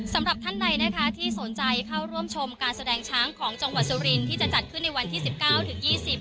สำหรับท่านใดนะคะที่สนใจเข้าร่วมชมการแสดงช้างของจังหวัดสุรินที่จะจัดขึ้นในวันที่สิบเก้าถึงยี่สิบ